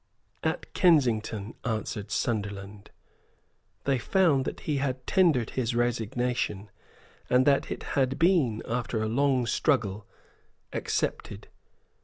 "At Kensington," answered Sunderland. They found that he had tendered his resignation, and that it had been, after a long struggle, accepted.